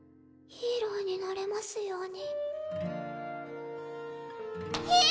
ヒーローになれますように！